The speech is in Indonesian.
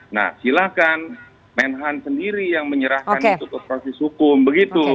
nah silahkan menhan sendiri yang menyerahkan itu ke proses hukum begitu